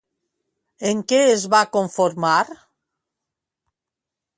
En què es va conformar?